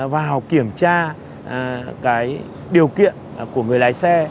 vào kiểm tra cái điều kiện của người lái xe